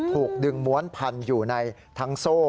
ถูกดึงม้วนพันอยู่ในทั้งโซ่